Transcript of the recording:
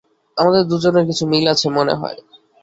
আমাদের দুজনের কিছু মিল আছে মনে হয়।